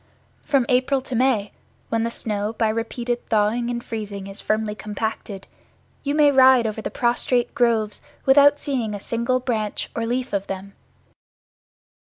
From April to May, when the snow by repeated thawing and freezing is firmly compacted, you may ride over the prostrate groves without seeing a single branch or leaf of them.